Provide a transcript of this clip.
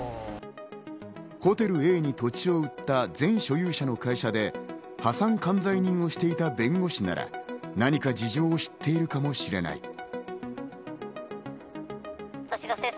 ホテルＡに土地を売った前所有者の会社で破産管財人をしていた弁護士なら、何か事情を知っているかもしれない。